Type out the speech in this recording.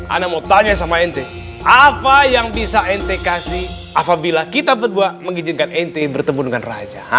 anda mau tanya sama ente apa yang bisa ente kasih apabila kita berdua mengizinkan ente bertemu dengan raja